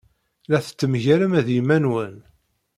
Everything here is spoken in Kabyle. La tettnemgalem ed yiman-nwen.